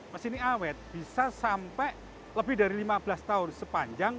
mesin awet bisa sampai lebih dari lima belas tahun sepanjang